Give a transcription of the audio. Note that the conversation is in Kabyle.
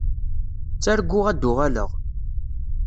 Tterguɣ ad uɣaleɣ.